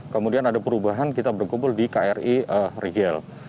kemudian ada perubahan kita berkumpul di kri rigel